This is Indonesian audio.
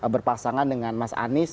berpasangan dengan mas anies